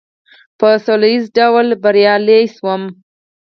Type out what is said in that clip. په سوله ایز ډول بریالی شوم.